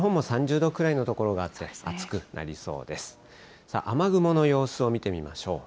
雨雲の様子を見てみましょう。